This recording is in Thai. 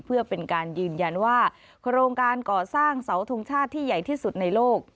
เพื่อเป็นการยืนยันว่าโครงการก่อสร้างเสาทงชาติที่ใหญ่ที่สุดในโลก